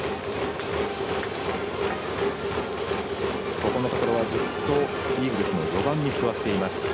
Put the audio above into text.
ここのところ、ずっとイーグルスの４番に座っています。